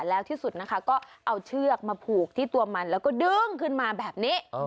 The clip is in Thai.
แล้วที่สุดนะคะก็เอาเชือกมาผูกที่ตัวมันแล้วก็ดึงขึ้นมาแบบนี้